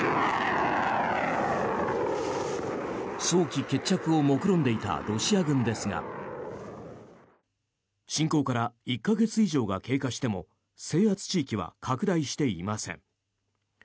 早期決着をもくろんでいたロシア軍ですが侵攻から１か月以上が経過しても制圧地域は拡大していません。